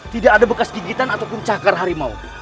tidak ada bekas gigitan atau kuncakar harimau